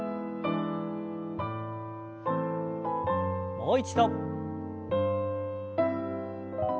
もう一度。